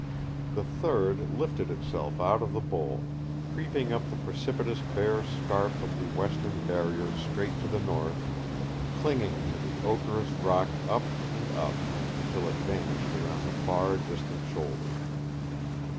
The third lifted itself out of the bowl, creeping up the precipitous bare scarp of the western barrier straight to the north, clinging to the ochreous rock up and up until it vanished around a far distant shoulder.